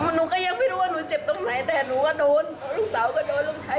หนูก็ยังไม่รู้ว่าหนูเจ็บตรงไหนแต่หนูก็โดนลูกสาวก็โดนลูกชาย